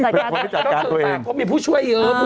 ต้องถือสละกเขามีผู้ช่วยเยอะ